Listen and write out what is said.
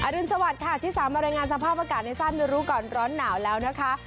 รุนสวัสดิ์ค่ะที่สามรายงานสภาพอากาศในทราบในรู้ก่อนร้อนหนาวแล้วนะคะ